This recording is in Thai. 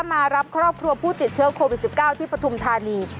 มารับครอบครัวผู้ติดเชื้อโควิด๑๙ที่ปฐุมธานี